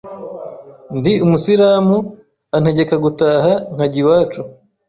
ndi umusiramu antegeka gutaha nkajya iwacu